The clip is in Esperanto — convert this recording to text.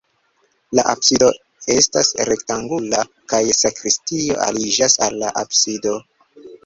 La absido estas rektangula kaj sakristio aliĝas al la absido.